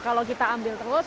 kalau kita ambil terus